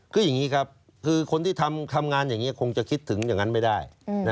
คืออย่างนี้ครับคือคนที่ทำงานอย่างนี้คงจะคิดถึงอย่างนั้นไม่ได้